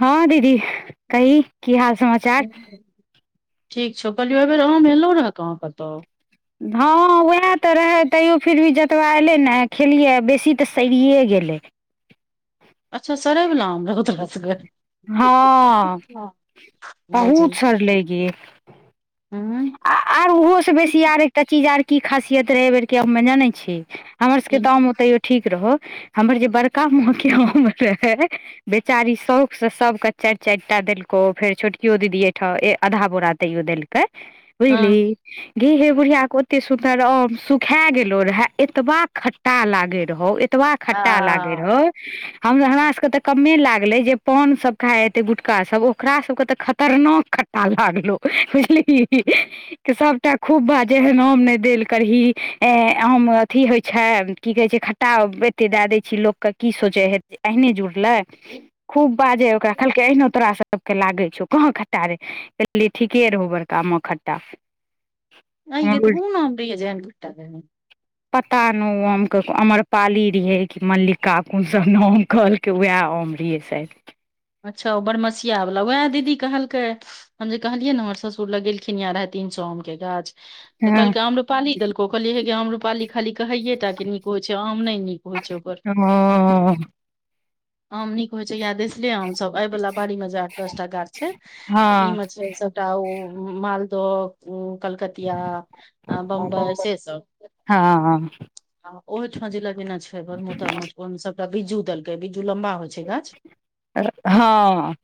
हँ दीदी कहि की हाल समाचार हूँ, ठीक छौ कहलियौ एहि बेर आयलहु रहैऽ अहाँ कतहूँ हँ उएह तऽ रहै तैयो फिर भी जतबा अयलै ने भेलियै बेसी तऽ सड़िए गेलै अच्छा, गुलाम रहू तँ रासग हँ बुझी बहुत सर लऽ गे हूँ आ आरहोसँ बेसी आर एकटा चीज आर की खासियत रहै एहि बेरके हमे जानै छी हमर सभके तऽ आम ओतैयो ठीक रहौ हमर जे बड़का माँके आम रहै बेचारी शौकसँ सभके चारि चारि टा देलको फेर छोटकियो दीदीके आधा बोरा तैयो देलक हँ बुझली गे हे बुढ़िया के ओते सुन्दर आम सुखा गेलो रहौ एतबा खट्टा लागै रहौ एत एतबा खट्टा लागे आ रहौ हमरा सभके तऽ कमे लागलै जे पान सभ खा हेतै गुटका सभ ओकरा सभके तऽ खतरनाक खट्टा भऽ गेलो हि हि हि के सभटा खूब भऽ जेहन आम नहि देल करही ई आम अथी होइ छै की कहै छै ताब एते दऽ दै छी लोकके की सोचै छै अहिने जुड़लै [inaudible] खूब बाजै ओकरा कहलकै अहिना तोरा सभके लागै छौ कहाँ कटारे कहलियै ठीके रहौ बड़क आमओ खट्टा अइए तऽ हुन आमबरिया जैन कुट्टा देने पता नहि कि अम्रपाली रहै कि मल्लिका कोन सभ नाम कहल के वएह आम छथि अच्छा ओ बरमसिया वाला उएह दीदी कहलकै हम जे कहलियै ने हमर ससुर लगेलखिन यै रहे तीन सए आमके गाछ तऽ हँ कहलकै आम रूपाली देलको कहलियै हे गे आम रूपाली खाली कहैये टा नीक होइ छै आम नहि नीक हो ओकर ओ आम नीक होइ छै यैला आम सभ अय वाला बाड़ीमे जे आठ दस टा गाछ छै, हँ ईमे छै सभ टाउ मालदह कलकतिया बम्बई हँ सँ सभ हँ आ ओहिठाम जे लगेना छै बरु मे सभटा बिज्जू देलकै बिज्जू लम्बा होइ छै गाछ हँ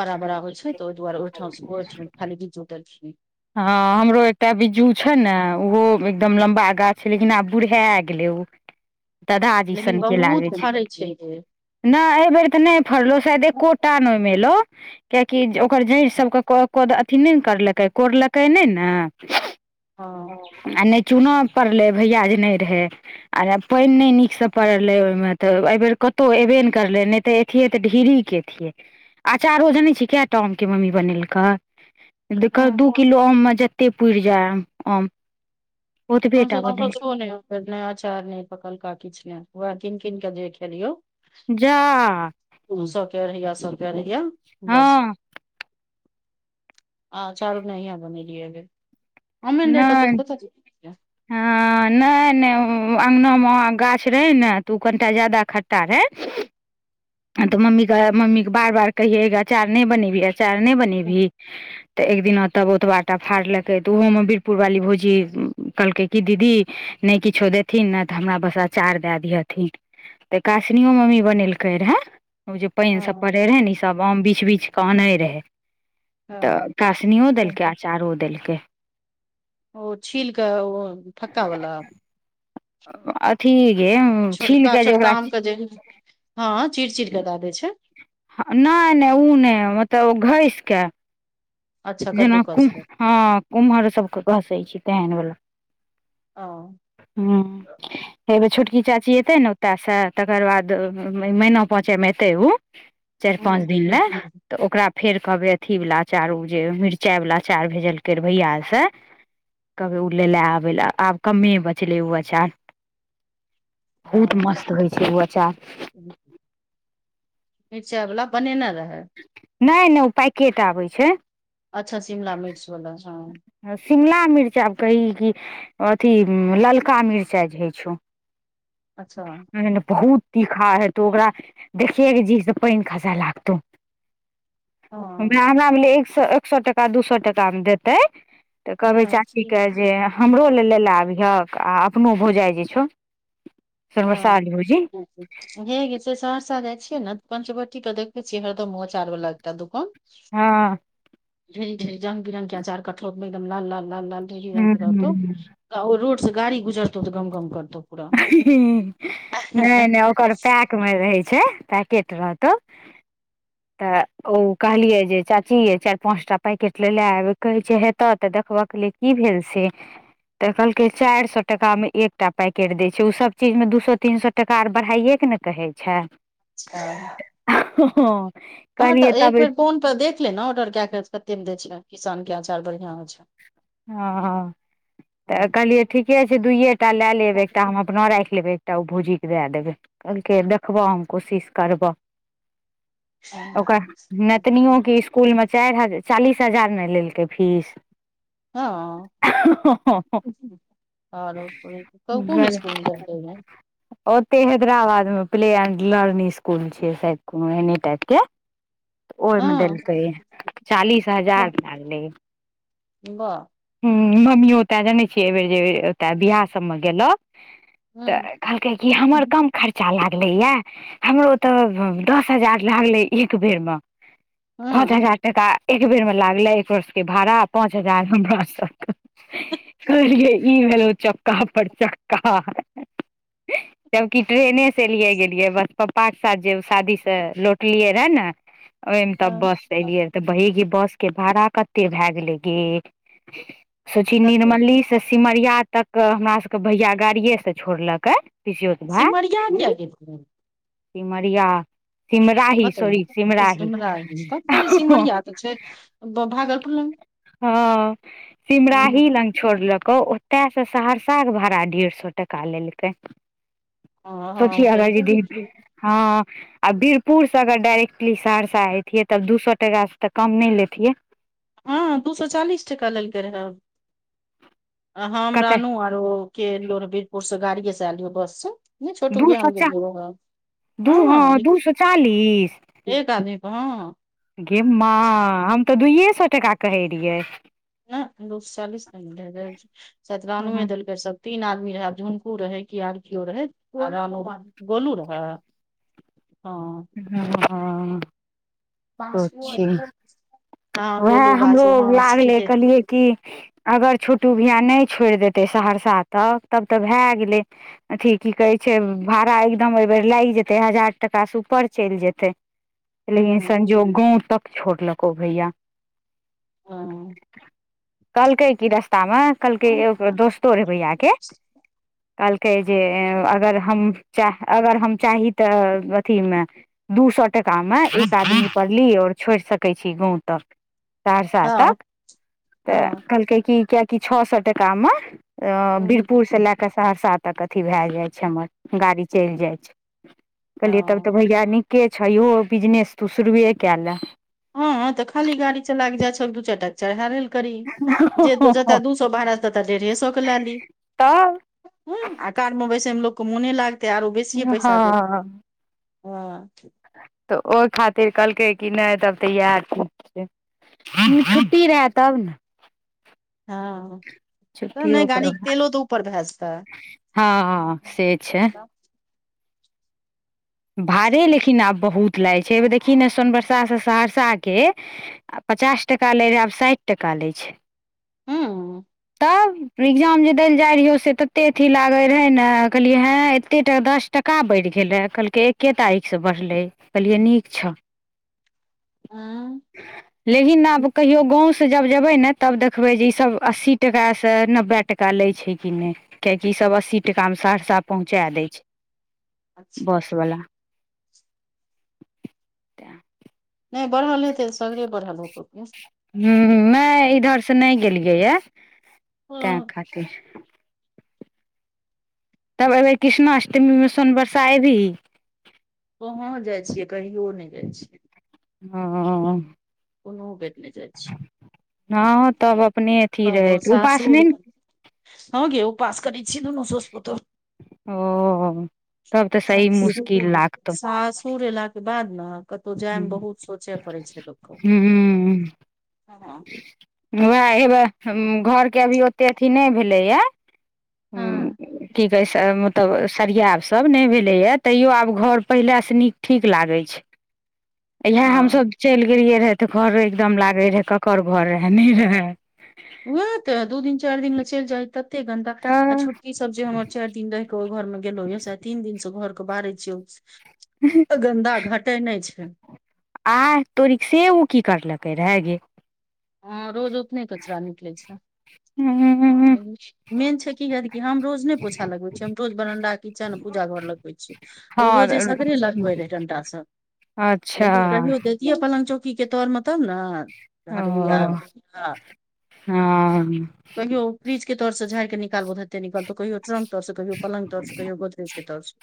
बराबर होइ छै तऽ ओ दुआर ओहिठाम खाली बीज हँ हमरो एकटा बिज्जू छै ने ओहो एकदम लम्बा गाछ छै लेकिन आब बूढ़ा गेलै ओ ददा जी लेकिन सनके लागै बहुत फड़ै छै जे नहि एहि बेर तऽ नहि फड़लौ शायद एको टा न ओहिमे एलौ किएकि ओकर जड़ सभके कोनो अथि नहि करलकै, कोड़लकै नहि ने हँ आ नहि चूना पड़लै भैया जे नहि रहै आ पानि नहि नीकसँ पड़ल रहै ओहिमे तऽ एहि बेर कतहु एबे नहि करलै नहि तऽ ई तऽ ढेरे के अचारो जनै छै केटा आमके मम्मी बनेलकै एक दू किलो आममे जते पुरि जाय आम हँ, ओतबेटा बनेलकै किछु नहि रहै, अचार नहि पकलका किछुओ ने। ओहि किन किन कऽ देख लियौ जा सके रहैय, सके रहै हँ बस आ चारू नहि अहाँ बने रहियै, हममे ने रहि कऽ तऽ नहि कथ क हँ नहि नहि अङ्गनामे गाछ रहै ने तऽ ओ कनिटा जााद खट्टा रहै आ तऽ मम्मीके मम्मीके बार बार कहियै ग अचार नहि बनेबही, अचार नहि बनेबही तऽ एक दिना तऽ ओतबा टा फाड़लकै तऽ ओहोमे बीरपुर वाली भोजी कहलकै कि दीदी नहि किछुओ देथिन ने तऽ हमरा बस अचार दऽ दिहथिन तऽ कष्टसँ मम्मी बनेलकै रहए ओ जे पानि सभ पड़ै रहै ने ई सभ आम बिछ बिछ कऽ आनै रहै तऽ कासनिओ देलकै अचारो देलकै ओ छील कऽ ओ फक्का वाला अथी गे छील कऽ जे ओकरा काजे ह हँ, चिड़ चिड़ कऽ दै छै नहि नहि ओ नहि मतलब घसिकऽ अच्छा जेना कऽ कद्दूकस के हँ कुम्हर सभके घसै छै तेहन बला ओ हँ हे बेर छोटकी चाची एतै ने ओतय सँ तकर बाद मैना पाँचैमे एतै ओ चारि पाँच दिन ले तऽ ओकरा फेर कहबै अथी वला अचार ओ जे मिरचाई वला अचार भेजलकै भैया से कहबै ओ लए लए आबै आब कमे बचलै ओ अचार बहुत मस्त होइ छै ओ अचार मिरचाई वला बनेने रहै नहि नहि ओ पैकेट आबै छै अच्छा शिमला मिर्च वाला हँ शिमला मिर्चा आब कही की अथी ललका मिरचाइ जे होइ छै ओ। अच्छा बहुत तीखा हेतौ ओकरा देखियै के जीसँ पानि खसै लागतौ हँ हमरा लागलै एक सए एक सए टाका दू सए टाकामे देतै तऽ कहबै हँ चाचीके जे हमरो लए लऽ आबिहक आ अपनो भौजाइ जे छौ हमर हँ सास भौजी ठ हे ग छै सहरसा जाइ छियै ने पंचवटी पर देखै छियै हरदम अचार वाला एकटा दुकान हँ ढेरी ढेरी रंग बिरंगके अचार कठोतमे गमलामे एकदम लाल लाल लाल लाल ढेरी हूँ रंगके रहतौ ओ रोडसँ गाड़ी गुजरतौ तऽ गमगम करतौ पूरा हँ नहि नहि ओकर पैकमे रहै छै पैकेट रहतौ [inaudible] तऽ ओ कहलियै जे चाची ये चारि पाँच टा पैकेट लऽ लऽ आब कहै छै हेतऽ तऽ देखब की भेल से तऽ कहलकै चारि सए टका मे एकटा पैक करि दै छै ओ सभ चीजमे दू सए तीन सए टाका आर बढ़ाइके ने कहै छै ह हँ हँ तऽ एक बेर फोन पर देख ले ने ऑर्डर कऽ कतेकमे दै छै किसानके अचार बढ़िआँ होइ छै हँ हँ तऽ कहलियै ठीके छै दुइए टा लए लेब एकटा हम अपना राखि लेबै टा ओ भौजीके दऽ देबै कहलक देखबह हम कोशिश करबह ओक नतिनिओके इसकुलमे चालीस हजार ने लेलकै फीस हँ आर कोन स्कूलमे बुझि ओते हैदराबादमे प्ले एंड लर्निंग स्कूल छै सायद कोनो एने टाइपके [inaudible] तऽ ओहिमे हँ देलकै चालीस हजार लागलै बाह हँ मम्मियो ओतऽ जनै छियै एहिबेर जे ओतऽ बिआह सबमे गेलखिन हँ तऽ कहलकै जे हमर कम खर्चा लागलै यऽ हमरो ओ तऽ दस हजार लागलै एक बेर मे पाँच हँ हजार टाका आ एक बेरमे लगलैए बसके भाड़ा पाँच हजार बस स कहलियै ई भेलो चक्का पर चक्का [inaudible] जबकि ट्रेनेसँ एलियै गेलियै बस पप्पाके साथ जे शादीसँ लौटलियै रहए ने ओहिमे तब बस एलियै रे तऽ वही की बसके भाड़ा कते भऽ गेलै सची कते निर्मली से ओहिमे तब बस एलियै रे तऽ वही की बसके भाड़ा कते भऽ गेलै पितियौत भाय सिमरिया किया गेलही सिमरिया सिमराही सॉरी बतैयौ सिमराही आ ह ह पछ भागलपुर ला हँ सिमराही लऽ छोड़लको ओतयसँ सहरसाके भाड़ा डेढ़ सए टाका लेलकै ह सोची हँ तऽ अगर यदि हँ आ वीरपुर से अगर डायइरेक्टली सहरा एतियै तब दू सए टकास से तऽ कम नहि लेतियै हँ दू सए चालीस टका लेलकै रहे हम कते रानु लियो वीरपुर से गाड़िए से एलियौ बस से छोटू के दू बियाह सओ मे चा गेलियौ रहे दू हँ दू स चालीस एक आदमी क हँ गे माय हम तऽ दुइए सए टाका कहै रहियै न दु स चालीस लेलकै सायद रानु हँ देलकै सब तीन आदमी रहे आब झुनकू रहे कि आर कियो रहे आ गोलू रहे हँ हँ अच्छा हँ वएह गोलू हमरो बासु हँ लागलै ठीके कहलियए कि अगर छोटू भैया नहि छोड़ि देतै सहरसा तक तब तऽ भए गेलै अथी की कहै छै भाड़ा एकदम एहि बेर लागि जेते हजार टका से ऊपर चलि जेतै लेकिन हूँ संजोग गाँव तक छोड़लकौ भैया हँ कहलकै की रस्तामे कहलकै हँ ए दोस्तो रहै भैयाके कहलकै जे अगर हम अगर हम चाही तऽ अथीमे दू सए टकामे एकटादी पर ली आओर छोड़ि सकैत छी गाँव तक सहरसा तक हँ तऽ हँ कहलकै क कियकि छ सए टकामे वीरपुरसँ लए कऽ सहरसा तक अथी भए जाइ छै हमर गाड़ी चलि जाइ छै कहलियै तब तऽ भैया निके छ यहो बिजनेस तू शुरुए कए ले हँ हँ तऽ खाली गाड़ी चलाए क जाइ छ दू चारि टा चढ़ा करी जे जतय दू सए भारा तते डेढ़े सए के लए ली तब ह आ कारमे बैस मे लोकके मोने लागतै आरो बेसिए पैसा देतै हँ ह तऽ ओहि खातिर कहलकै कि नहि तब तऽ इएह छै छुटी रहै तब ने हँ त नै छुट्टियो गाड़ी के तेलो तऽ ऊपर भए जेतै हँँ से छै भाड़े लेकिन आब बहुत लागै छै देखिही न सोनबरसासँ सहरसाके आ पचास टाका लै रहै आब साठि टाका लै छै हँ एग्जाम जे देल जाय रहियौ से तते अथी लागे रहे ने कहलिये हे एते टा दस टाका बढ़ि गेलै कहलकै एक्के तारीखसे बढ़लै कहलियै नीक छौ हँ लेकिन आब कहियो गाँव से जब जेबै ने तब देखबै जे ई सब अस्सी टका से नब्बे टका लै छै कि नहि किएकि ईसभ अस्सी टाकामे सहरसा पहुँचा दै छै अच्छा बसवला तें नहि बढ़ल हेतैऽ सगरे बढ़ल हेतौ की ह नहि इधर से नहि गेलियै यए तैं हँ, खातिर तब अयबेर कृष्णाष्टमीमे सोन बरसा एबही कहाँ जाय छियै कहियो नहि जाय छियै ह कोनो बेेर नहि जा छियै हाँ तब अपने अथी तब रहै ओ उपास नहि सासुर ने हँ गे उपास करै छी दुनू साउस पूतौह ओ तब तऽ सही मुश्किल लागतौ सासुर एला बाद न कतहु जाय मे हूं बहुत सोचे पड़ै छै लोक क वएह हेबए घरके अभी ओतेक अथी नहि भेलैए हँ की कहै छै मतलब सरियाब सभ नहि भेलैए तैयो आब घर पहिलेसँ नीक ठीक लागै छै [inaudible] इएह हँ हमसभ चलि गेलियै रहए तऽ घर एकदम लगैत रहए ककर घर रहए नहि रहए उएह तऽ दू दिन चारि दिन लेल चलि जाय तते घंटा आ तऽ छोटकी सभ जे हमर चारि दिन रहै घर मे गेलो तीन दिन सँ घरक बाहर छियौ गन्दा घटे नहि छै आइ तोरिक सँ ओ की करलकै रहे गे हाँ रोज अपने कचरा निकले छै हूँ मेन छै की हती हम रोज ने पोछा लगबै छी हम रोज बरामदा किचन पूजा घर लगबै छियै ओ हँ रोजे सगरे लगबै रहै डंटासँ। अच्छा पलंग चौकी के तौर मे तऽ ना। ओ याद हँ कहियो। फ्रिज तर सँ झाड़ि के निकालबो, तते निकल तऽ कहियो ट्रंक। तर सँ कहियो पलंग तर सँ, कहियो गोदरेज के तर सँ,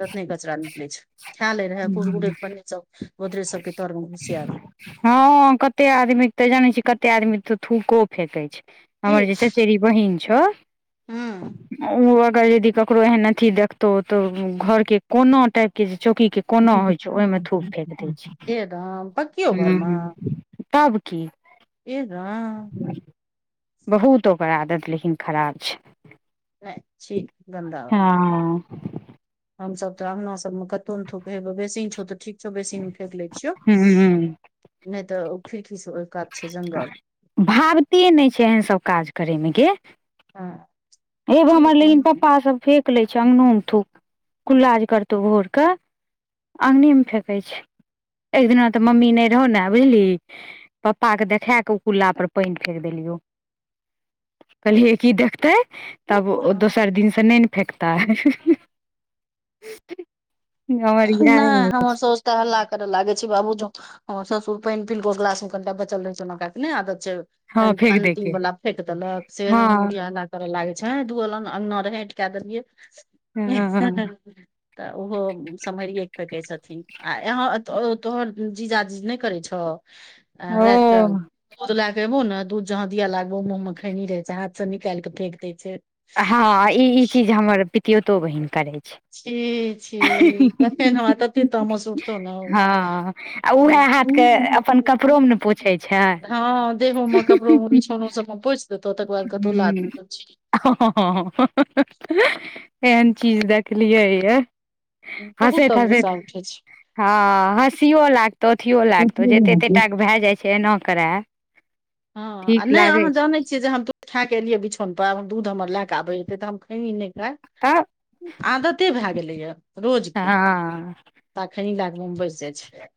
ततने कचड़ा निकलै छै। खाए ले रहे कुरकुरे, पनीर सभ गोदरेज सबके तर मे घुसिया दे। हाँ कते आदमी तऽ जानै छै, कते आदमी तऽ थूक फेकै छै। की हमर जे चचेरी बहिन छ। हूँ ओ अगर यदि ककरो एहन अथि देखतौ तऽ घर के कोनो टाइप के जे चौकी के। कोना होइ छै, ओहिमे थूक फेक दै छै हे राम पकियो घर हम तऽ की। एकग बहुत ओकर आदत खराब छै। नहि छि गन्दा हँ हमरास तऽ अंगना सभ मे कतौ ने थूक हे, बेसिन छोड़ि तऽ ठीक। चौ बेसिन मे फेक ले छियौ, ह नहि तऽ ओ खिड़की सँ ओहि कात छै जंगल। भाविते नहि छै एहन सभ काज करय मे गे। हा हे हमर, लेकिन पप्पा सभ फेक लै छै अंगनामे, थूक कुल्ला करतौ भोरके। अंगनेमे फेकै छै। एक दिना तऽ मम्मी नहि रहौ ने, बुझली। पप्पा के देखा कऽ उ कुल्ला पर पानी फेक देलियौ। कहलि की देखतै। तब ओ ठीक दोसर दिन सँ नहि ने फेकतै। हमरिया नहि हमर साउस तऽ हल्ला करे लागे छै, बाबू जो ससुर पानी पीके ग्लास मे कनिटा बचल रहै छै ने आदत छै हँ फेेक अंतिम दैके वाला फेक देलक से हँ बुढ़िया हला करऽ लागे छै, दुनू लऽ अंगना रहे एएंठ कऽ देलियै। हँ तऽ ओहो सम्हरियए कटे छथिन आ यहाँ तोहर जीजा जी नहि करे छौ आ ओ रात कऽ जखने ने दूध जहाँ देबो मुँह मे खैनी रहै छै हाथ सँ निकालि के फेक दै छै हँ, ई ई चीज हमर पितियौतो बहिन करैत छै। छी छी तते हमरा तते तामस उठतौ ने। हँ आ उएह हाथ के अपन कपड़ो मे ने [unintelligible] पोछै छै हँ देहो कपड़ो कोनो सभ पुछि देतौ, ओ तकर बाद कतहु ला हूँ दू तऽ। एहन चीज देखलियै यऽ। बहुत गुस्सा उठै छै। हँ हँसियो लागतो, अथिो लागतो, पोछियो जते बना तेटा के भए जाय छै। छै, एना करै हँ आ ठीक नहि लागै अहाँ छै। जानै जे हम दूध खा के एलिय, बिछौन पर दूध हमर लेल के आबे हे तऽ हम खेइ नहि। तऽ आदते भए गेलैए रोजके हँ ता खैनि लाके मुँह में बैस जाय छै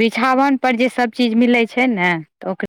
बिछावनपर जे सब चीज मिलै छै ने तऽ ओक